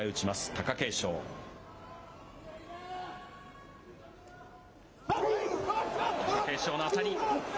貴景勝の当たり。